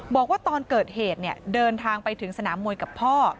บอกว่าตอนเกิดเหตุเดินทางไปถึงสนามมวยกับพ่อ